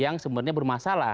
yang sebenarnya bermasalah